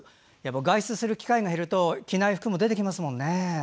外出する機会が増えると着ない服も出てきますからね。